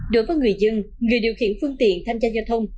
đối với người dân người điều khiển phương tiện tham gia giao thông